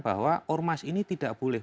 bahwa ormas ini tidak boleh